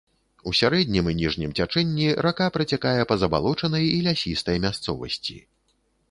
У сярэднім і ніжнім цячэнні рака працякае па забалочанай і лясістай мясцовасці.